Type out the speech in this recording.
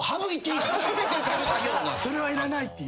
「それは要らない」